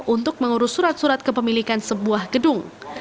untuk mengurus surat surat kepemilikan sebuah gedung